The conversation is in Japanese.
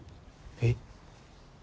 えっ？